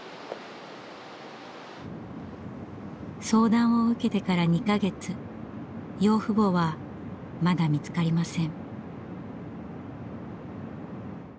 相談を受けてから２か月養父母はまだ見つかりません。